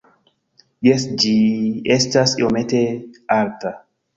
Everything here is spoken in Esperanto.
Jes ĝi estas iomete alta